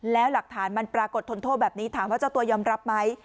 แล้วหลักฐานมันปรากฏทนโทษแบบนี้ถามว่าเจ้าตัวยอมรับไหม